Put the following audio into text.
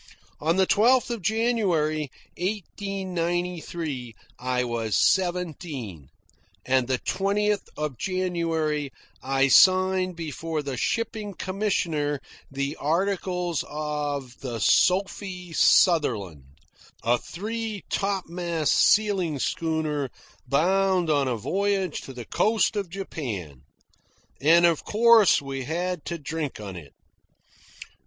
On the 12th of January, 1893, I was seventeen, and the 20th of January I signed before the shipping commissioner the articles of the Sophie Sutherland, a three topmast sealing schooner bound on a voyage to the coast of Japan. And of course we had to drink on it.